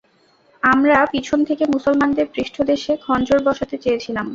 আমরা পিছন থেকে মুসলমানদের পৃষ্ঠদেশে খঞ্জর বসাতে চেয়েছিলাম।